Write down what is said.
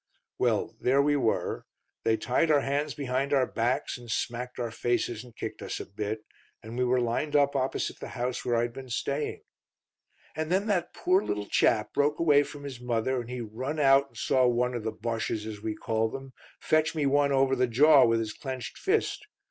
"Well there we were. They tied our hands behind our backs, and smacked our faces and kicked us a bit, and we were lined up opposite the house where I'd been staying. "And then that poor little chap broke away from his mother, and he run out and saw one of the Boshes, as we call them, fetch me one over the jaw with his clenched fist.